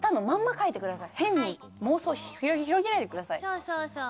そうそうそう。